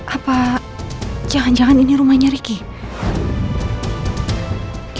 apa jangan jangan ini rumahnya ricky